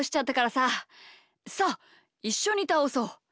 さあいっしょにたおそう。